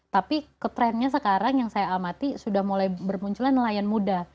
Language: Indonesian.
tapi ke trendnya sekarang yang saya amati sudah mulai bermunculan nelayan muda